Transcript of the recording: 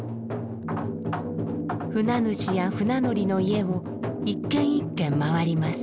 船主や船乗りの家を一軒一軒回ります。